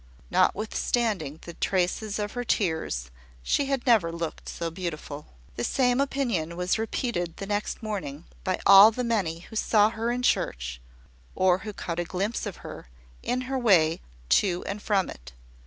Notwithstanding the traces of her tears, she had never looked so beautiful. The same opinion was repeated the next morning by all the many who saw her in church, or who caught a glimpse of her, in her way to and from it.